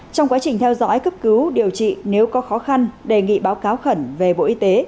trong quá trình theo dõi cấp cứu điều trị nếu có khó khăn đề nghị báo cáo khẩn về bộ y tế